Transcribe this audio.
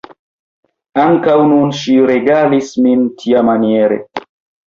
Ankaŭ nun ŝi regalis min tiamaniere.